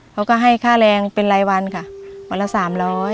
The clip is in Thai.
เขาก็ให้ค่าแรงเป็นรายวันค่ะวันละสามร้อย